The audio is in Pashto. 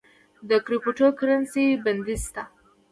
د کریپټو کرنسی بندیز شته؟